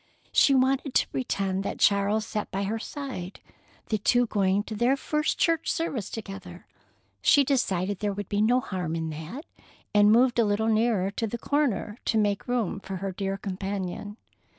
She wanted to pretend that Charles sat by her side, they two going to their first church service together. She decided there would be no harm in that, and moved a little nearer the corner to make room for her dear companion.